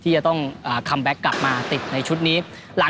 ที่เขากำลังตามหาเพราะว่าก็ไม่เหมือนคนอื่น